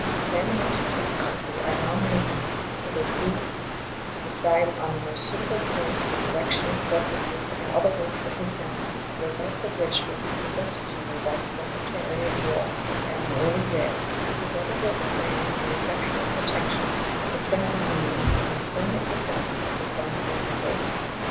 Examinations of the country are now making, with a view to decide on the most suitable points for the erection of fortresses and other works of defense, the results of which will be presented to you by the Secretary of War at an early day, together with a plan for the effectual protection of the friendly Indians and the permanent defense of the frontier States.